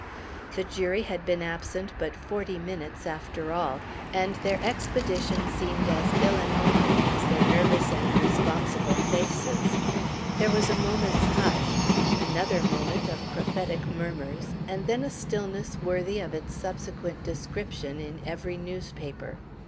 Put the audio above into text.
The jury had been absent but forty minutes after all; and their expedition seemed as ill an omen as their nervous and responsible faces. There was a moment's hush, another moment of prophetic murmurs, and then a stillness worthy of its subsequent description in every newspaper.